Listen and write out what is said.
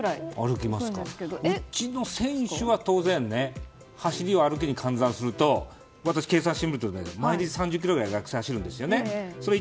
うちの選手は走りを歩きに換算すると計算してみると毎日３０ｋｍぐらい学生は走るんですよ。